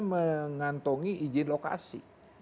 mengantongi izin lokasi